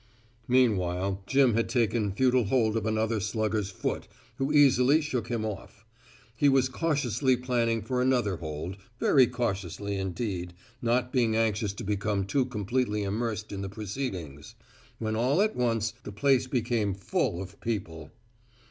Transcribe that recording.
Meanwhile, Jim had taken futile hold of another slugger's foot, who easily shook him off. He was cautiously planning for another hold very cautiously indeed, not being anxious to become too completely immersed in the proceedings, when all at once the place became full of people.